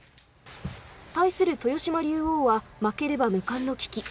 対する豊島竜王は負ければ無冠の危機。